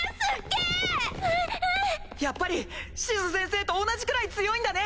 やっぱりシズ先生と同じくらい強いんだね！